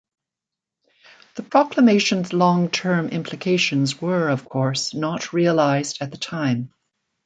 The proclamations' long-term implications were, of course, not realized at the time.